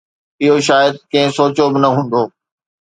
اهو شايد ڪنهن سوچيو به نه هوندو